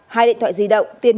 hai điện thoại di động